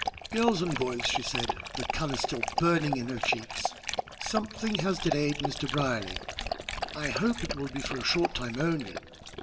"Girls and boys," she said, the colour still burning in her cheeks, "something has delayed Mr. Brierly. I hope it will be for a short time only.